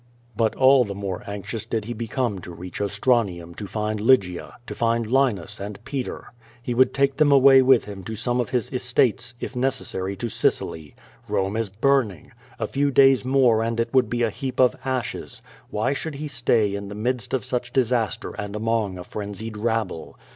But all the more anxious did he become to reach Ostranium to find Lygia, to find Linus and Peter. He would take them away with him to some of his estates, if necessary to Sicily. Borne is burning! A few days more and it would be a heap of ashes. Why should he stay in the midst of such disaster and among a frenzied rabble?